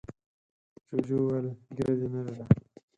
جوجو وویل ږیره دې نوې ده.